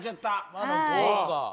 まだ５か。